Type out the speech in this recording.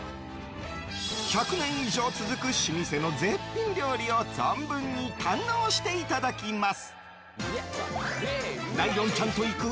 １００年以上続く老舗の絶品料理を存分に堪能していただきます。